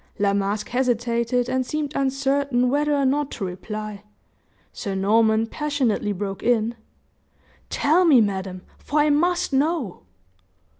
La Masque hesitated and seemed uncertain whether or not to reply, Sir Norman passionately broke in: "Tell me, madam, for I must know!"